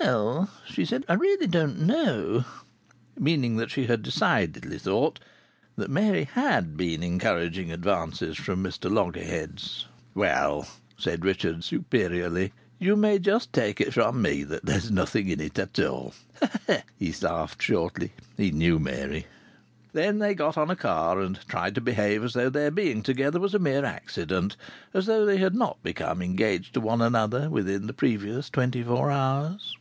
"Well," she said, "I really don't know." Meaning that she decidedly thought that Mary had been encouraging advances from Mr Loggerheads. "Well," said Richard, superiorly, "you may just take it from me that there's nothing in it at all.... Ha!" He laughed shortly. He knew Mary. Then they got on a car, and tried to behave as though their being together was a mere accident, as though they had not become engaged to one another within the previous twenty four hours.